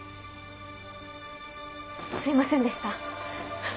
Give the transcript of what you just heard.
すいませんでした。